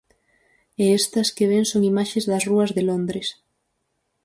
E estas que ven son imaxes das rúas de Londres.